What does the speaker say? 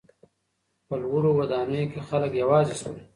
په لوړو ودانیو کې خلک یوازې سول.